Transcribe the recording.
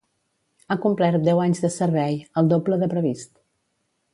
Ha complert deu anys de servei, el doble de previst.